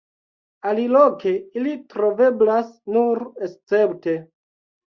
Aliloke ili troveblas nur escepte.